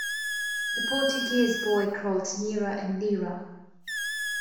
The Portuguese boy crawled nearer and nearer.